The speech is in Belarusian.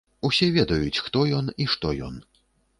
Усе ведаюць, хто ён і што ён.